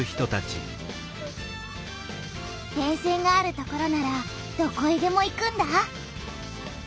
電線がある所ならどこへでも行くんだ。